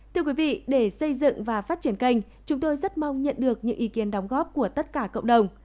thưa quý vị để xây dựng và phát triển kênh chúng tôi rất mong nhận được những ý kiến đóng góp của tất cả cộng đồng